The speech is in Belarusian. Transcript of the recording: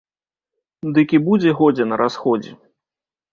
Дык і будзе годзе на расходзе!